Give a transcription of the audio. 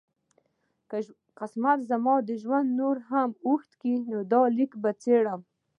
که قسمت زما ژوند نور هم اوږد کړ دا لیک به څېرم.